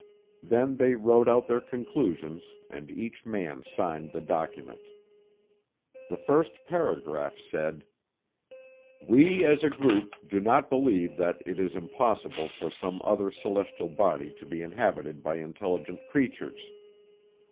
Then they wrote out their conclusions and each man signed the document. The first paragraph said: We as a group do not believe that it is impossible for some other celestial body to be inhabited by intelligent creatures.